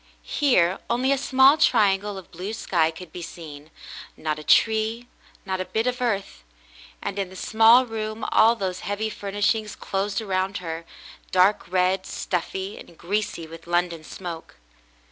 Here only a small triangle of blue sky could be seen — not a tree, not a bit of earth — and in the small room all those heavy furnishings closed around her, dark red, stuffy, and greasy with London smoke.